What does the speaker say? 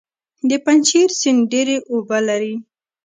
د پنجشیر سیند ډیرې اوبه لري